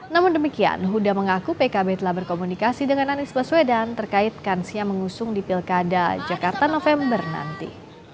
namun demikian huda mengaku pkb telah berkomunikasi dengan anies baswedan terkait kansnya mengusung di pilkada jakarta november nanti